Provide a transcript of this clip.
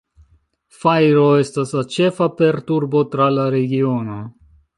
Fajro estas la ĉefa perturbo tra la regiono.